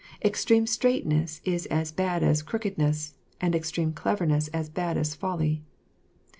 "Extreme straightness is as bad as crookedness, and extreme cleverness as bad as folly."